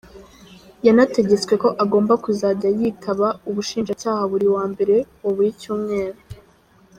Yanategetswe ko agomba kuzajya yitaba ubushinjacyaha buri wa mbere wa buri cyumweru.